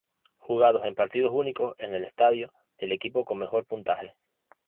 Jugados en partidos únicos en el estadio del equipo con mejor puntaje.